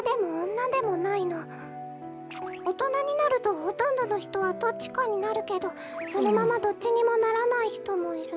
おとなになるとほとんどのひとはどっちかになるけどそのままどっちにもならないひともいる。